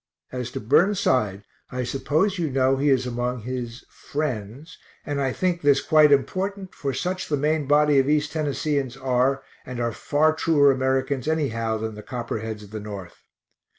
As to Burnside, I suppose you know he is among his friends, and I think this quite important, for such the main body of East Tennesseans are, and are far truer Americans anyhow than the Copperheads of the North.